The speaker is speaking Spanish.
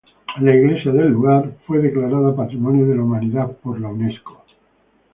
La iglesia del lugar fue declarada Patrimonio de la Humanidad por la Unesco.